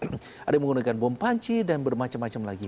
ada yang menggunakan bom panci dan bermacam macam lagi